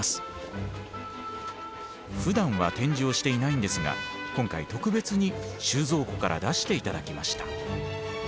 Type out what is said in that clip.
ふだんは展示をしていないんですが今回特別に収蔵庫から出して頂きました。